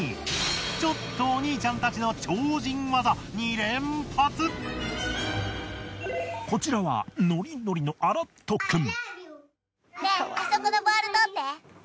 ちょっとお兄ちゃんたちのこちらはノリノリのアラットくん。